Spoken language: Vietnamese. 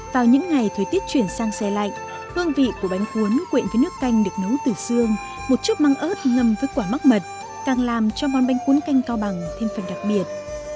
vào những ngày thời tiết chuyển sang xe lạnh hương vị của bánh cuốn quện với nước canh được nấu từ xương một chút măng ớt ngâm với quả mắc mật càng làm cho món bánh cuốn canh cao bằng thêm phần đặc biệt